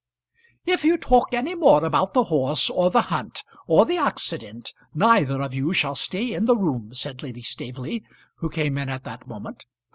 "If you talk any more about the horse, or the hunt, or the accident, neither of you shall stay in the room," said Lady Staveley, who came in at that moment.